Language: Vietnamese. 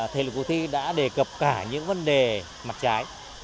thể lực cuộc thi đã đề cập cả những vấn đề mặt trái